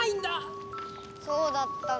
そうだったんだ。